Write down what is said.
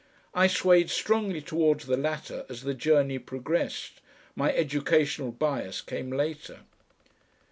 I swayed strongly towards the latter as the journey progressed. My educational bias came later.